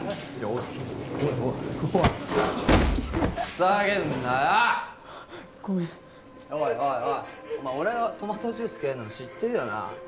お前俺がトマトジュース嫌いなの知ってるよな？